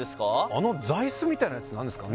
あの座椅子みたいなやつ何ですか？